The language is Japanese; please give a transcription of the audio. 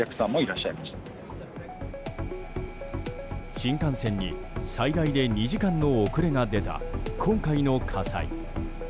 新幹線に、最大で２時間の遅れが出た今回の火災。